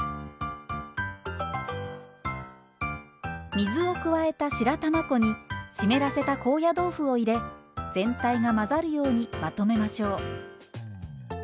水を加えた白玉粉に湿らせた高野豆腐を入れ全体が混ざるようにまとめましょう。